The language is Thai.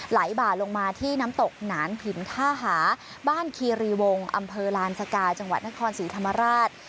ไหลบ่าลงมาที่น้ำตกหนานหินท่าหาบ้านคีรีวงอำเภอลานสกาจังหวัดนครศรีธรรมราช